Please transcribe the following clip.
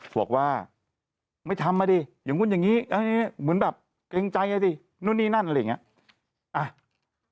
บอกว่าไม่ทำมาดิอย่างนู้นอย่างนี้เหมือนแบบเกรงใจไงสินู่นนี่นั่นอะไรอย่างนี้